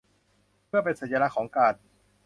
เพื่อเป็นสัญลักษณ์ของการ